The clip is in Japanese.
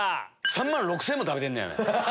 ３万６０００円も食べてんねや。